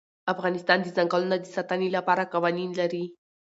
افغانستان د ځنګلونه د ساتنې لپاره قوانین لري.